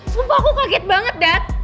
sumpah aku kaget banget dad